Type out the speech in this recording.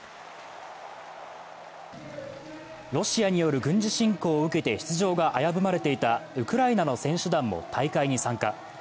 ロシアによる軍事侵攻を受けて出場が危ぶまれていたウクライナの選手団も大会に参加。